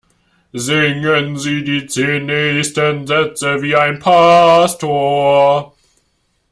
Singen Sie die zehn nächsten Sätze wie ein Pastor!